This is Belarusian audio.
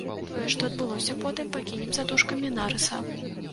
Тое, што адбылося потым, пакінем за дужкамі нарыса.